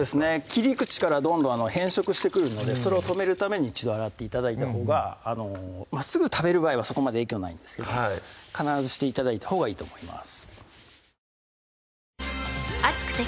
切り口からどんどん変色してくるのでそれを止めるために一度洗って頂いたほうがすぐ食べる場合はそこまで影響ないんですけども必ずして頂いたほうがいいと思います